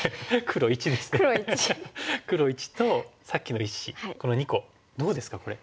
黒①とさっきの１子この２個どうですかこれ。